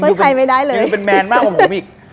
เผื่อใครไม่ได้เลยยืนเป็นแมนมากกว่าผมอีก